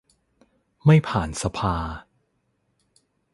ไม่ผ่านสภา